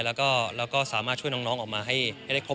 แล้วก็สามารถช่วยน้องออกมาให้ได้ครบ